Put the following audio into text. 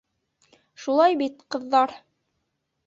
Шулай бит, ҡыҙҙар?!